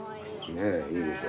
ねぇいいでしょ。